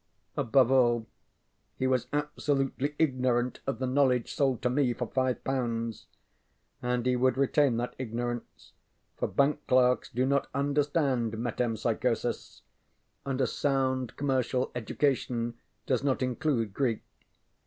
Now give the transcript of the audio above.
Above all he was absolutely ignorant of the knowledge sold to me for five pounds; and he would retain that ignorance, for bank clerks do not understand metempsychosis, and a sound commercial education does not include Greek.